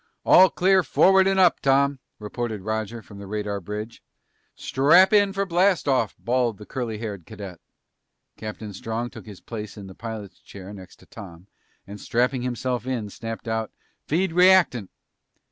"All clear forward and up, Tom," reported Roger from the radar bridge. "Strap in for blast off!" bawled the curly haired cadet. Captain Strong took his place in the pilot's chair next to Tom and strapping himself in snapped out, "Feed reactant!"